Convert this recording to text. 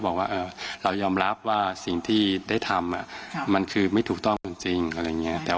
บอกว่าเรายอมรับว่าสิ่งที่ได้ทำมันคือไม่ถูกต้องจริงแต่